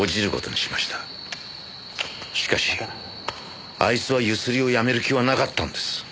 しかしあいつはゆすりをやめる気はなかったんです。